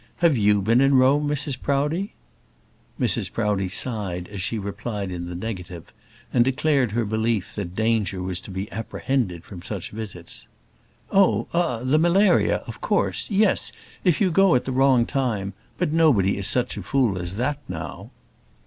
Have you been in Rome, Mrs Proudie?" Mrs Proudie sighed as she replied in the negative, and declared her belief that danger was to be apprehended from such visits. "Oh! ah! the malaria of course yes; if you go at the wrong time; but nobody is such a fool as that now."